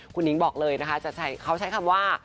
คุณนิ้งบอกเลยนะคะเขาใช้คำว่า